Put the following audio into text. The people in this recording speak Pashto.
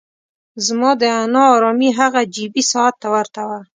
زما دا نا ارامي هغه جیبي ساعت ته ورته وه.